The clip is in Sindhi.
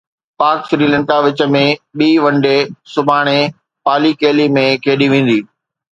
پاڪ سريلنڪا وچ ۾ ٻي ون ڊي سڀاڻي پالي ڪيلي ۾ کيڏي ويندي